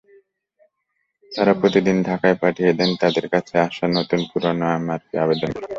তারা প্রতিদিন ঢাকায় পাঠিয়ে দেন তাদের কাছে আসা নতুন-পুরোনো এমআরপির আবেদনগুলো।